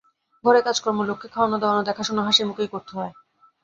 ঘরে কাজকর্ম, লোককে খাওয়ানো-দাওয়ানো, দেখাশুনো হাসিমুখেই করতে হয়।